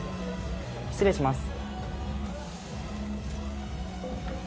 失礼します。